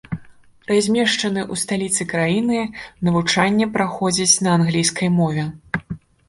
Размешчаны ў сталіцы краіны, навучанне праходзіць на англійскай мове.